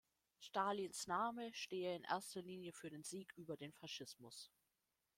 Stalins Name stehe in erster Linie für den Sieg über den Faschismus.